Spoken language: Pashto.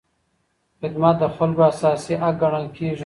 خدمت د خلکو اساسي حق ګڼل کېږي.